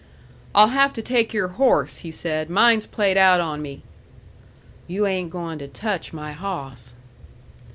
"I'll have to take your horse," he said, "mine's played out on me." "You ain' goin' to touch my hawss."